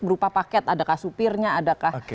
berupa paket adakah supirnya adakah